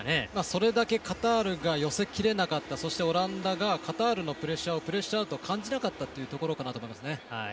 それだけカタールが寄せきれなかったそして、オランダがカタールのプレッシャーをプレッシャーと感じなかったところかなと思いますね。